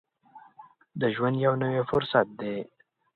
د ژوند یو نوی فرصت دی.